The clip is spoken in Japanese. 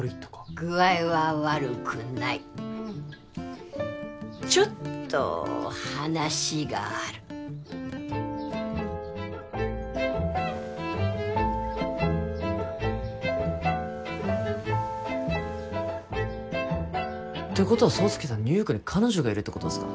具合は悪くないちょっと話があるってことは爽介さんニューヨークに彼女がいるってことですか？